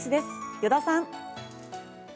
依田さん。